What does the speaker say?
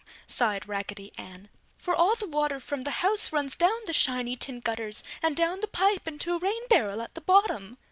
sighed Raggedy Ann. "For all the water from the house runs down the shiny tin gutters and down the pipe into a rain barrel at the bottom!"